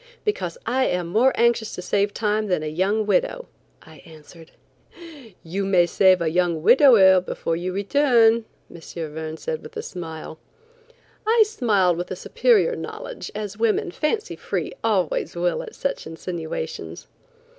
"Because I am more anxious to save time than a young widow," I answered. "You may save a young widower before you return," M. Verne said with a smile. I smiled with a superior knowledge, as women, fancy free, always will at such insinuations.